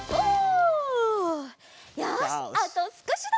よしあとすこしだ！